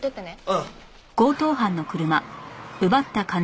ああ。